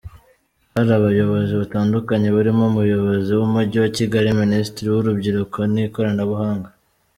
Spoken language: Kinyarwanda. Hari abayobozi batandukanye barimo Umuyobozi w'umujyi wa Kigali, Minisitiri w'Urubyiruko n'Ikoranabuhanga.